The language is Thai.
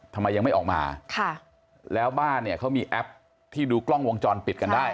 ทำไมยังไม่ออกมาค่ะแล้วบ้านเนี่ยเขามีแอปที่ดูกล้องวงจรปิดกันได้